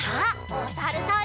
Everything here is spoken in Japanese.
おさるさん。